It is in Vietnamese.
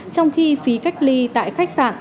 trong khi phí cách ly tại khách sạn